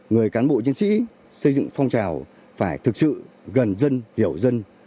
người cán bộ chiến sĩ xây dựng phong trào phải thực sự gần dân hiểu dân